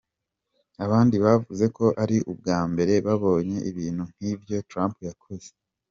Abandi bavuze ko ari ubwa mbere babonye ibintu nk'ivyo Trump yakoze.